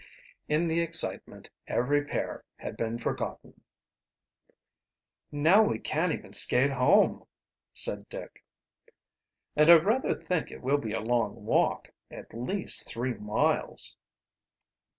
In the excitement every pair had been forgotten. "Now we can't even skate home," said Dick. "And I rather think it will be a long walk at least three miles."